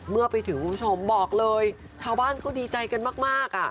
เมื่อไปถึงคุณผู้ชมบอกเลยชาวบ้านก็ดีใจกันมาก